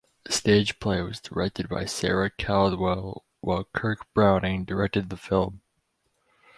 The stage play was directed by Sarah Caldwell while Kirk Browning directed the film.